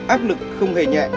áp lực không hề nhẹ